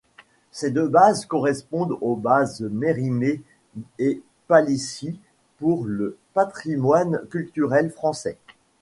Ces deux bases correspondent aux bases Mérimée et Palissy pour le patrimoine culturel français.